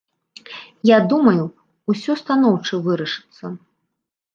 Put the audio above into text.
Я думаю, усё станоўча вырашыцца.